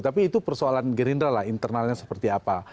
tapi itu persoalan gerindra lah internalnya seperti apa